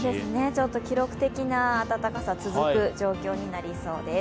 ちょっと記録的な暖かさが続く状況になりそうです。